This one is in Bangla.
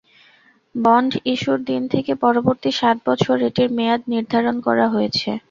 বন্ড ইস্যুর দিন থেকে পরবর্তী সাত বছর এটির মেয়াদ নির্ধারণ করা হয়েছে।